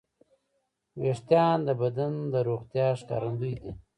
وېښتيان د بدن د روغتیا ښکارندوی دي.